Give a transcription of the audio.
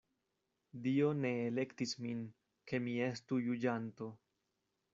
Dio ne elektis min, ke mi estu juĝanto.